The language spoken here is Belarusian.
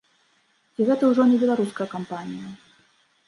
Ці гэта ўжо не беларуская кампанія?